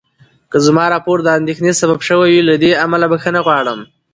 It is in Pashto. که زما راپور د اندېښنې سبب شوی وي، له دې امله بخښنه غواړم.